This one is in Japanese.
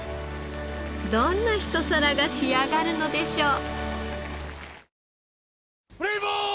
どんなひと皿が仕上がるのでしょう？